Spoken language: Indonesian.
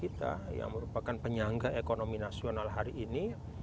untuk menambahkan rp enam puluh miliar orang yang bisa ada di rangka ekonomi nasional hari ini